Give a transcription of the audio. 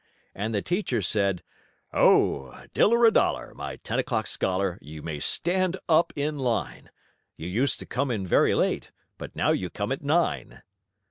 And the teacher said: "Oh, Diller a Dollar, my ten o'clock scholar, you may stand up in line. You used to come in very late, but now you come at nine."